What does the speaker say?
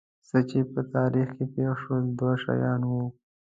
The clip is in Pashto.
څه چې په تاریخ کې پېښ شول دوه شیان وو.